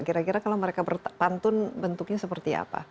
kira kira kalau mereka berpantun bentuknya seperti apa